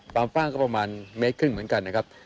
ความฟ่างก็ประมาณ๑๕เมตรเหมือนกันนะครับ